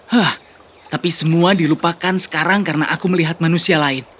hah tapi semua dilupakan sekarang karena aku melihat manusia lain